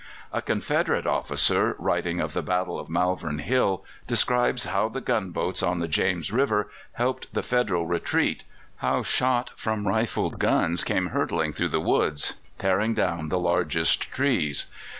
A Confederate officer, writing of the battle of Malvern Hill, describes how the gunboats on the James River helped the Federal retreat, how shot from rifled guns came hurtling through the woods, tearing down the largest trees.